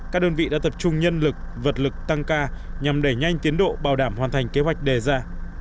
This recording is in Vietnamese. các đơn vị đã tập trung nhân lực vật lực tăng ca nhằm đẩy nhanh tiến độ bảo đảm hoàn thành kế hoạch đề ra